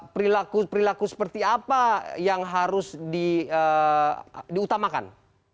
perilaku perilaku seperti apa yang harus diutamakan